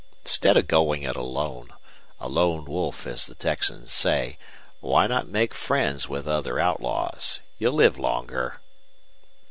Instead of going it alone a lone wolf, as the Texans say why not make friends with other outlaws? You'll live longer."